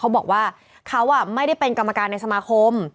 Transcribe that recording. เขาบอกว่าเขาไม่ได้เป็นกรรมการในสมาคม